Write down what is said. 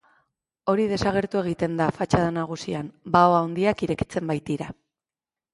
Hori desagertu egiten da fatxada nagusian, bao handiak irekitzen baitira.